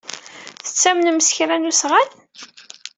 Tettamnem s kra n usɣan?